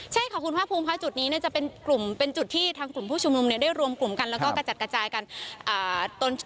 ใช่ค่ะคุณภาคภูมิค่ะจุดนี้จะเป็นกลุ่มเป็นจุดที่ทางกลุ่มผู้ชุมนุมเนี่ยได้รวมกลุ่มกันแล้วก็กระจัดกระจายกัน